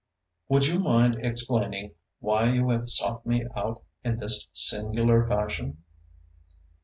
Would you mind explaining why you have sought me out in this singular fashion?"